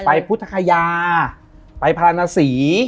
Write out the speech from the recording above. ไปพุทธภัยาไปพลานาศรี